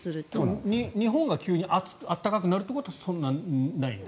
日本が急に暖かくなるということはないですか？